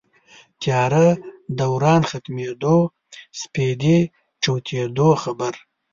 تیاره دوران ختمېدو سپېدې جوتېدو خبر